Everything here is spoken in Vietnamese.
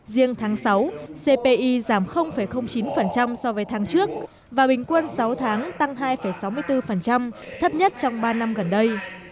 riêng tháng sáu cpi giảm chín so với tháng trước và bình quân sáu tháng tăng hai sáu mươi bốn thấp nhất trong ba năm gần đây